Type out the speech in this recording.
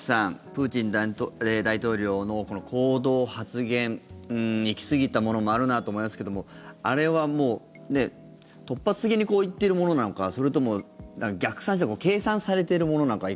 プーチン大統領のこの行動、発言行きすぎたものもあるなと思いますけどもあれはもう突発的に言っているものなのかそれとも、逆算して計算されているものなのか。